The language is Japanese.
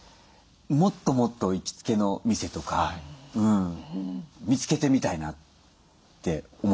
もっともっと行きつけの店とか見つけてみたいなって思います。